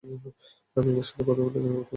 আমি ওদের সাথে আবার দেখা করতে চাই, বোন।